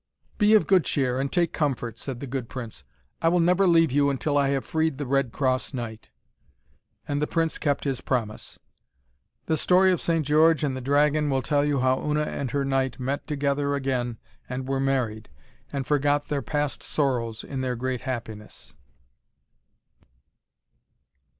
'Be of good cheer and take comfort,' said the good prince. 'I will never leave you until I have freed the Red Cross Knight.' And the prince kept his promise. The story of St. George and the Dragon will tell you how Una and her knight met together again and were married, and forgot their past sorrows in their great happiness.